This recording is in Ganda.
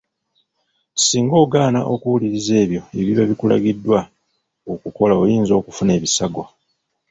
Singa ogaana okuwuliriza ebyo ebiba bikulagiddwa okukola oyinza okufuna ebisago.